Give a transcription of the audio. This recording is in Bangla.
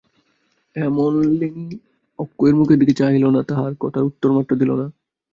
হেমনলিনী অক্ষয়ের মুখের দিকে চাহিল না, তাহার কথার উত্তরমাত্র দিল না।